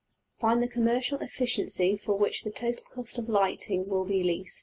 Find the commercial efficiency for which the total cost of lighting will be least.